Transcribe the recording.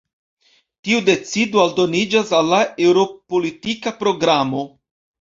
Tiu decido aldoniĝas al la Eŭrop-politika Programo.